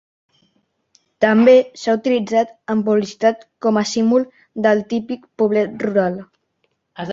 També s'ha utilitzat en publicitat com a símbol del típic poblet rural.